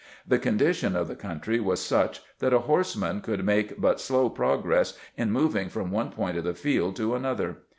The condition of the coun try was such that a horseman could make but slow pro gress in moving from one point of the field to another.